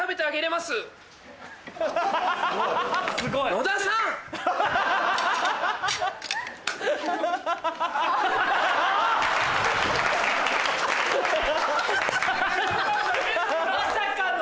まさかの！